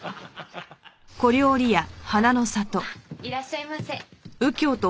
あっいらっしゃいませ。